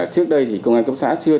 trước đây thì công an cấp xã chưa